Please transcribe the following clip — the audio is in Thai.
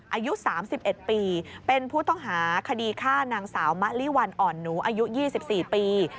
อายุ๓๑ปีเป็นผู้ต้องหาคดีฆ่านางสาวมะลิวันอ่อนหนูอายุ๒๔ปี